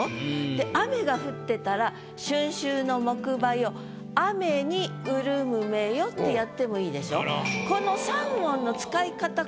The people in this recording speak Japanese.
で雨が降ってたら「春愁の木馬よ雨に潤む目よ」ってやってもいいでしょ？